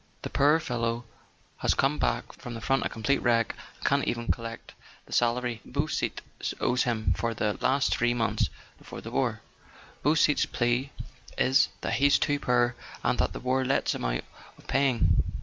The poor fellow has come back from the front a complete wreck, and can't even collect the salary Beausite owes him for the last three months before the war. Beausite's plea is that he's too poor, and that the war lets him out of paying.